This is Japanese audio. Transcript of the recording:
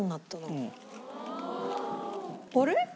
あれ？